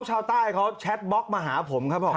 ชาวใต้เขาแชทบล็อกมาหาผมครับบอก